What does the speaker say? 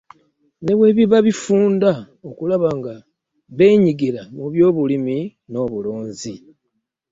Ne webiba bifunda okulaba nga beenyigira mu by'obulimi n'obulunzi.